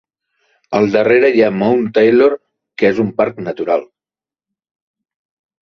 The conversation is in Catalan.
Al darrere hi ha Mount Taylor, que és un parc natural.